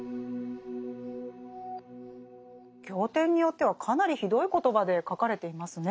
経典によってはかなりひどい言葉で書かれていますね。